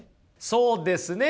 そうですね。